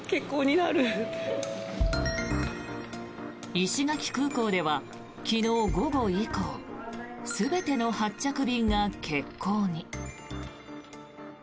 石垣空港では昨日午後以降全ての発着便が欠航に。